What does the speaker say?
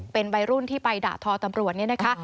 เป็นวัยรุ่นที่ไปด่าทอตำรวจเนี่ยนะคะ